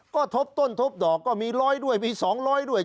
ก็ทบต้นทบดอกก็มี๑๐๐ด้วยมี๒๐๐ด้วย